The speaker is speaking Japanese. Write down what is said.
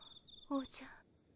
おじゃ？